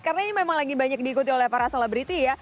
karena ini memang lagi banyak diikuti oleh para selebriti ya